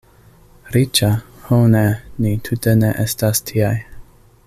Riĉa? Ho ne, ni tute ne estas tiaj.